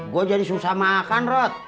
gue jadi susah makan rot